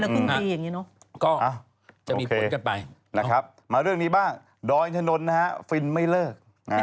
เนี่ยครับมาเรื่องนี้บ้างดรชะนนฟินไม่เลิก